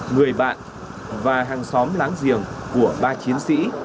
người bạn và hàng xóm láng giềng của ba chiến sĩ